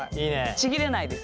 ちぎれないですね。